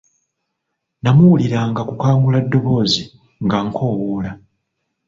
Namuwuliranga kukangula ddoboozi ng'ankowoola.